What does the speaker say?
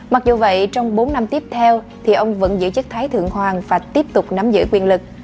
mặc dù vậy trong bốn năm tiếp theo thì ông vẫn giữ chức thái thượng hoàng và tiếp tục nắm giữ quyền lực